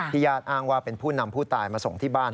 ญาติอ้างว่าเป็นผู้นำผู้ตายมาส่งที่บ้าน